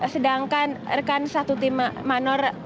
sedangkan rekan satu tim manor